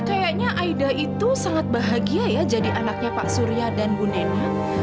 kayaknya aida itu sangat bahagia ya jadi anaknya pak surya dan bu nene